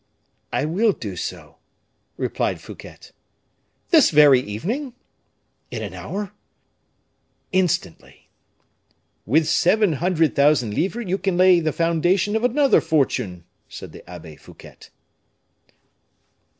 "I will do so," replied Fouquet. "This very evening?" "In an hour?" "Instantly." "With seven hundred thousand livres you can lay the foundation of another fortune," said the Abbe Fouquet.